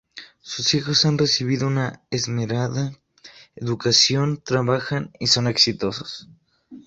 Sus hijos han recibido una esmerada educación, trabajan y son exitosos.